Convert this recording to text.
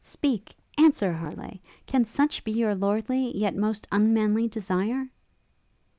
speak! answer, Harleigh! can such be your lordly, yet most unmanly desire?'